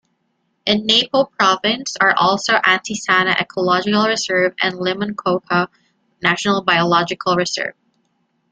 In Napo province are also Antisana Ecological Reserve and Limoncocha National Biological Reserve.